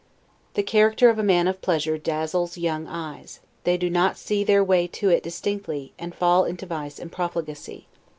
The character of a man of pleasure dazzles young eyes; they do not see their way to it distinctly, and fall into vice and profligacy.